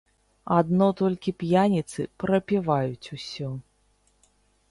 Адно толькі п'яніцы прапіваюць усё.